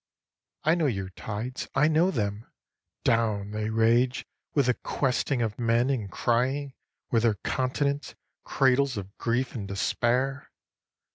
I know your tides, I know them! "Down," they rage, "with the questing of men, and crying! With their continents cradles of grief and despair!